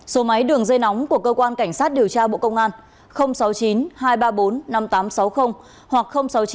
số máy đường dây nóng của cơ quan cảnh sát điều tra bộ công an sáu mươi chín hai trăm ba mươi bốn năm nghìn tám trăm sáu mươi hoặc sáu mươi chín hai trăm ba mươi một một nghìn sáu trăm